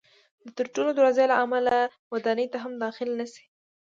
د تړلو دروازو له امله ودانۍ ته هم داخل نه شي.